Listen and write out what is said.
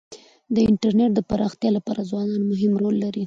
د انټرنيټ د پراختیا لپاره ځوانان مهم رول لري.